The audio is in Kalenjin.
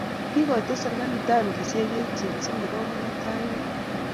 Kokoito serkali tankisiek eechen singorobon kotach bek